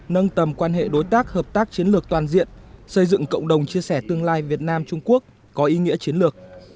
nâng tầm quan hệ đối tác hợp tác chiến lược toàn diện xây dựng cộng đồng chia sẻ tương lai việt nam trung quốc có ý nghĩa chiến lược